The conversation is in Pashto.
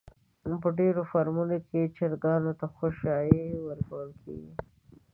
په ډېرو فارمونو کې چرگانو ته خؤشايه ورکول کېږي.